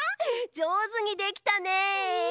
じょうずにできたね！